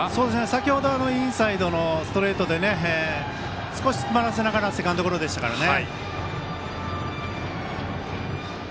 先ほど、インサイドのストレートで少しつまらせながらセカンドゴロでしたからね。